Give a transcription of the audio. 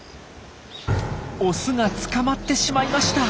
オスが捕まってしまいました。